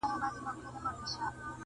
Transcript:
o ميره مي نه ليده، تر مور مينه٫